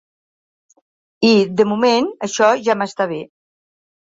I, de moment, això ja m’està bé.